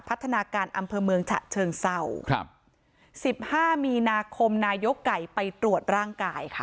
พัฒนาการอำเภอเมืองฉะเชิงเศร้าครับสิบห้ามีนาคมนายกไก่ไปตรวจร่างกายค่ะ